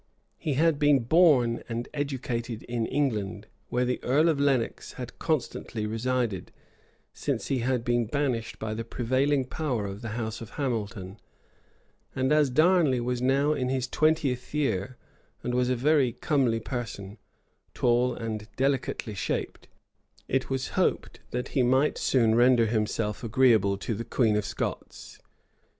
He had been born and educated in England, where the earl of Lenox had constantly resided, since he had been banished by the prevailing power of the house of Hamilton; and as Darnley was now in his twentieth year, and was a very comely person, tall and delicately shaped, it was hoped that he might soon render himself agreeable to the queen of Scots.